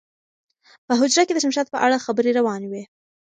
په حجره کې د شمشاد په اړه خبرې روانې وې.